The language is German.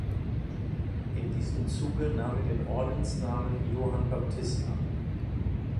In diesem Zuge nahm er den Ordensnamen "Johann Baptist" an.